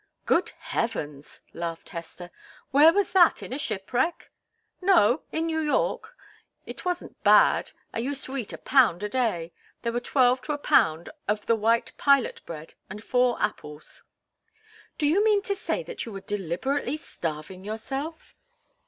"Good heavens!" laughed Hester. "Where was that? In a shipwreck?" "No; in New York. It wasn't bad. I used to eat a pound a day there were twelve to a pound of the white pilot bread, and four apples." "Do you mean to say that you were deliberately starving yourself?